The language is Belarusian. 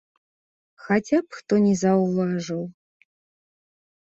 Хаця б хто не заўважыў!